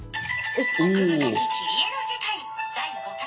「奥深き切り絵の世界第５回」。